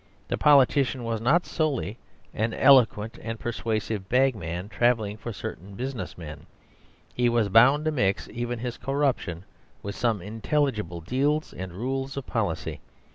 The politician was not solely an eloquent and persuasive bagman travelling for certain business men; he was bound to mix even his corruption with some intelligible ideals and rules of policy.